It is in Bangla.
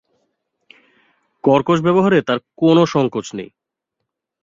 কর্কশ ব্যবহারে তার কোনো সংকোচ নেই।